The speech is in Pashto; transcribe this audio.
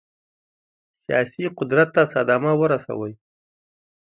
سیاسي قدرت ته صدمه ورسوي.